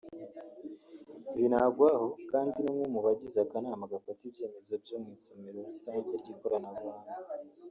Binagwaho kandi ni umwe mu bagize akanama gafata ibyemezo byo mu isomero rusange ry’ikoranabuhanga